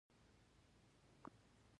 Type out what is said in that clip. هغوی بوټي څیري کوي او ونې ماتوي